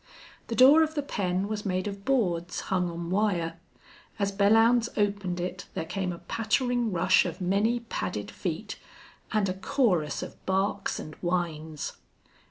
The door of the pen was made of boards hung on wire. As Belllounds opened it there came a pattering rush of many padded feet, and a chorus of barks and whines.